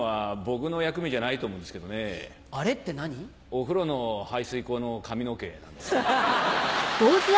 お風呂の排水溝の髪の毛なんですけど。